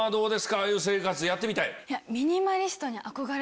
ああいう生活やってみたい？